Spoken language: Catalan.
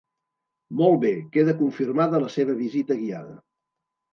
Molt bé, queda confirmada la seva visita guiada.